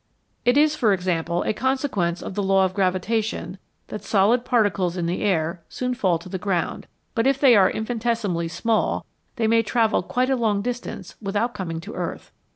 It is, for example, a consequence of the law of gravitation that solid particles in the air soon fall to the ground, but if they are infinitesimally small they may travel quite a long distance without coming to earth.